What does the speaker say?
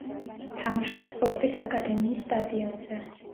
თამაშობს „სპორტის აკადემიის“ სტადიონზე.